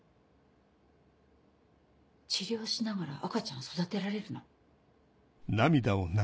治療しながら赤ちゃん育てられるの？